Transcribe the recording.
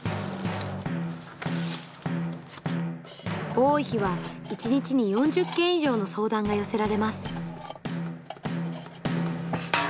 多い日は１日に４０件以上の相談が寄せられます。